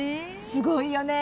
すごいよね